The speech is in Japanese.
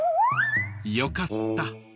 よかった。